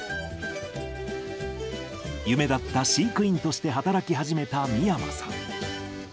夢だった飼育員として働き始めた見山さん。